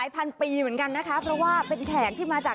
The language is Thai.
ไอ้เท้าเนี่ยจ้าบ๊าวไอ้เท้าโอ้โฮ